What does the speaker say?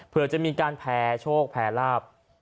เผื่อจะมีการแพร่โชคแพร่รอบ